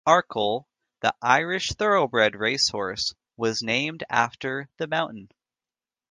Arkle, the Irish thoroughbred racehorse was named after the mountain.